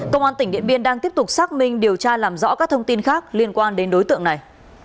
công an tỉnh điện biên đang tiếp tục xác minh điều tra làm rõ các thông tin khác liên quan đến đối tượng này